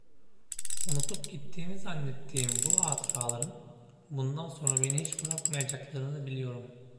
Unutup gittiğimi zannettiğim bu hatıraların, bundan sonra beni hiç bırakmayacaklarını biliyorum.